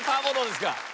坊どうですか？